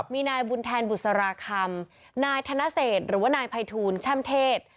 มีนายบุญแทนบุษราคำนายธนเศษหรือว่านายภัยทูลแช่มเทศ